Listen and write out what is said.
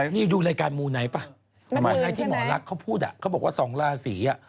นี่ดูรายการมูไหนป่ะที่หมอรักเขาพูดอ่ะเขาบอกว่าสองล่าสีอ่ะ